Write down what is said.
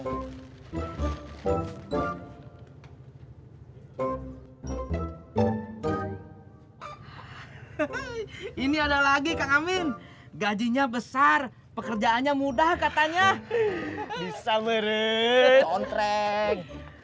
hai ini ada lagi keamin gajinya besar pekerjaannya mudah katanya bisa meredek